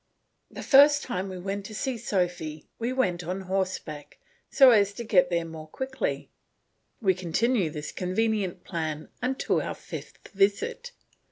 The first time we went to see Sophy, we went on horseback, so as to get there more quickly. We continue this convenient plan until our fifth visit.